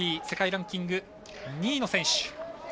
世界ランキング２位の選手。